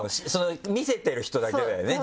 見せてる人だけだよね